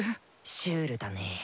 シュールだね。